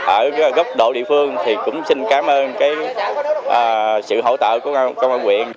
ở góc độ địa phương thì cũng xin cảm ơn sự hỗ trợ của công an quyện